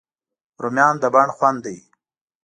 رومیان د بڼ خوند دي